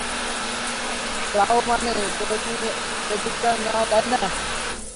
রাও মানে তো তুমি এদিককার নও, তাই না?